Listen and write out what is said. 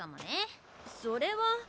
それは。